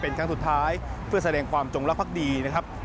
เป็นครั้งสุดท้ายเพื่อแสดงความจงรักภักดีนะครับ